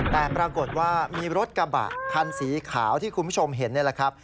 แต่ปรากฏว่ามีรถกระบะคันสีขาวที่คุณผู้ชมเห็น